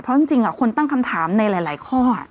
เพราะจริงคนตั้งคำถามในหลายข้อ